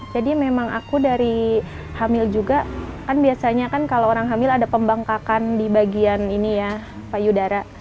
jadi memang aku dari hamil juga kan biasanya kan kalau orang hamil ada pembangkakan di bagian ini ya payudara